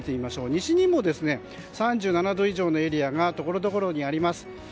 西にも３７度以上のエリアがところどころにあります。